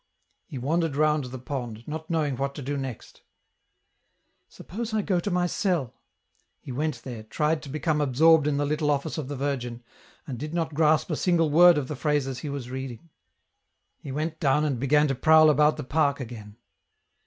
He wandered round the pond, not knowing what to do next. " Suppose I go to my cell 1 " He went there, tried to become absorl ed in the Little Office of the Virgin, and did not grasp a single word of the phrases he was reading. He went down and began to prowl about the park again.